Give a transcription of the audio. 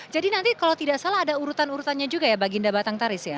jadi nanti kalau tidak salah ada urutan urutannya juga ya baginda batang taris ya